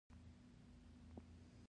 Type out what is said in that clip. د دولتي دندو دروازې یې پر مخ تړلي دي.